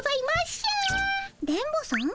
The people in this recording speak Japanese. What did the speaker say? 電ボさん？